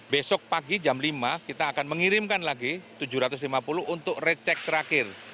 besok pagi jam lima kita akan mengirimkan lagi tujuh ratus lima puluh untuk recek terakhir